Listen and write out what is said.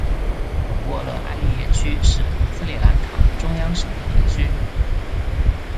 努沃勒埃利耶区是斯里兰卡中央省的一个区。